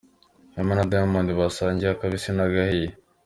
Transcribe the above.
Wema na Diamond basangiye akabisi n'agahiye.